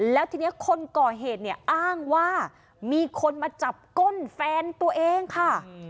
แล้วทีนี้คนก่อเหตุเนี่ยอ้างว่ามีคนมาจับก้นแฟนตัวเองค่ะ